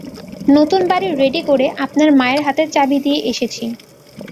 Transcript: নতুন বাড়ি রেডি করে আপনার মায়ের হাতে চাবি দিয়ে এসেছি।